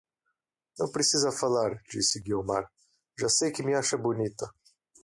Não precisa falar, disse Guiomar, já sei que me acha bonita